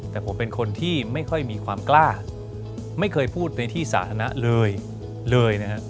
แต่ผมเป็นคนที่ไม่ค่อยมีความกล้าไม่เคยพูดในที่สาธารณะเลยเลยนะครับ